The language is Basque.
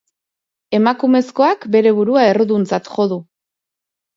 Emakumezkoak bere burua erruduntzat jo du.